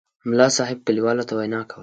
ملک صاحب کلیوالو ته وینا کوله.